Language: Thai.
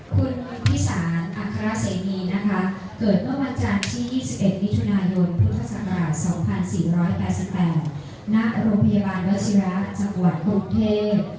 คุณพิสารอัครเสนีนะคะเกิดเมื่อวันจันทร์ที่๒๑มิถุนายนพุทธศักราช๒๔๘๘ณโรงพยาบาลวชิระจังหวัดกรุงเทพ